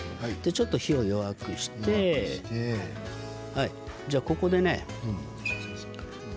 ちょっと火を弱くしてここでね